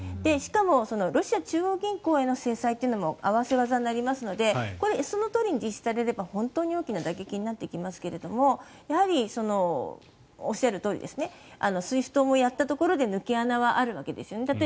しかもロシア中央銀行への制裁というのも合わせ技になりますのでそのとおりに実施されれば本当に大きな打撃になってきますがおっしゃるとおりＳＷＩＦＴもやったところで抜け穴はあるわけですよね。